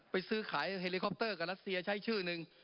ซื้อขายเฮลิคอปเตอร์กับรัสเซียใช้ชื่อหนึ่ง